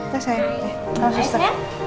ya sayang jangan susah